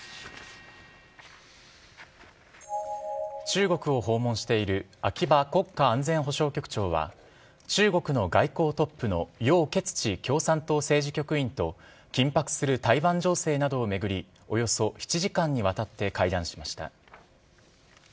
中国を訪問している秋葉国家安全保障局長は中国の外交トップのヨウ・ケツチ共産党政治局員と緊迫する台湾情勢などを巡りおよそ７時間にわたって会談しました。